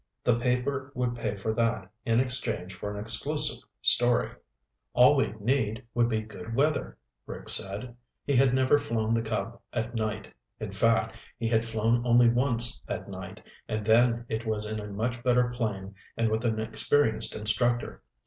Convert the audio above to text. The paper would pay for that in exchange for an exclusive story." "All we'd need would be good weather," Rick said. He had never flown the Cub at night. In fact, he had flown only once at night, and then it was in a much better plane and with an experienced instructor.